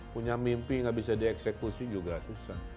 punya mimpi nggak bisa dieksekusi juga susah